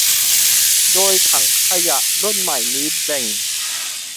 โดยถังขยะรุ่นใหม่นี้แบ่ง